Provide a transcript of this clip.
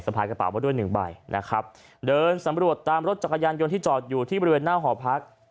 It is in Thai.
พายกระเป๋ามาด้วยหนึ่งใบนะครับเดินสำรวจตามรถจักรยานยนต์ที่จอดอยู่ที่บริเวณหน้าหอพัก